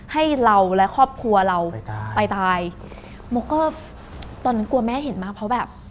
ให้เราและครอบครัวเราไปตายมกก็ตอนนั้นกลัวแม่เห็นมากเพราะแบบ